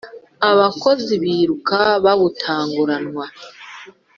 abakoni biruka bawutanguranwa